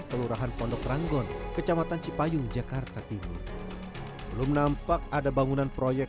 kelurahan pondok ranggon kecamatan cipayung jakarta timur belum nampak ada bangunan proyek